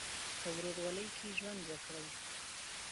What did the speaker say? په ورورولۍ کې ژوند وکړئ.